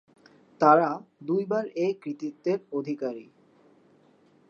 তারা দুইবার এ কৃতিত্বের অধিকারী।